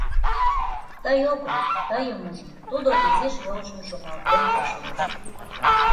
— Тый огыл, тыйым ужын, тудо изиш йолжым чумалтен ыш воч.